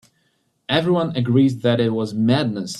Everyone agrees that it was madness.